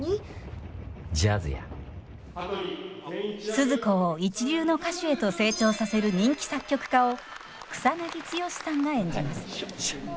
スズ子を一流の歌手へと成長させる人気作曲家を草剛さんが演じます。